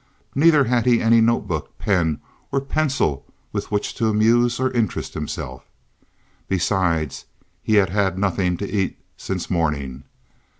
Neither had he any notebook, pen, or pencil with which to amuse or interest himself. Besides he had had nothing to eat since morning.